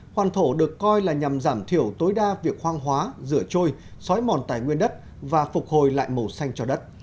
hoàn thổ được coi là nhằm giảm thiểu tối đa việc khoang hóa rửa trôi xói mòn tài nguyên đất và phục hồi lại màu xanh cho đất